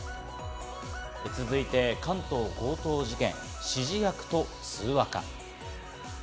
続いて関東強盗事件、指示役と通話か？